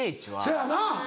せやな。